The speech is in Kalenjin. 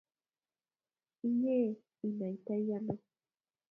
inye inaitai ano